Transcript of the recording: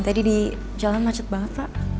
tadi di jalan macet banget pak